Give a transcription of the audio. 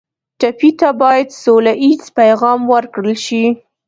ټپي ته باید سوله ییز پیغام ورکړل شي.